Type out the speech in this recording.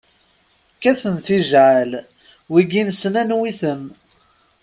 Kkaten tijɛal, wigi nessen anwi-ten.